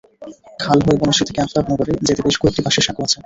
খাল হয়ে বনশ্রী থেকে আফতাবনগরে যেতে বেশ কয়েকটি বাঁশের সাঁকো আছে।